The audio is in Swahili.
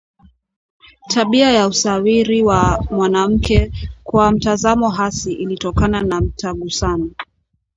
tabia ya usawiri wa mwanamke kwa mtazamo hasi ilitokana na mtagusano